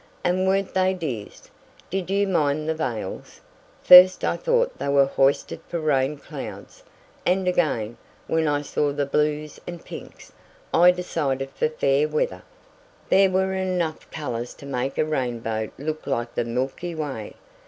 And weren't they dears? Did you mind the veils? First I thought they were hoisted for rain clouds, and again, when I saw the blues and pinks, I decided for fair weather. There were enough colors to make a rainbow look like the milky way.